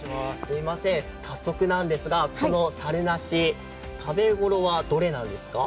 早速なんですが、このさるなし、食べ頃はどれなんですか。